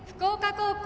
高校